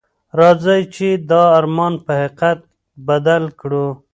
راځئ چې دا ارمان په حقیقت بدل کړو.